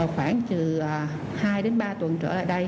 khoảng hai ba tuần trở lại đây